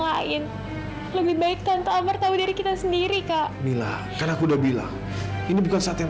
lain lebih baik tante ambar tahu dari kita sendiri kak mila kan aku udah bilang ini bukan saat yang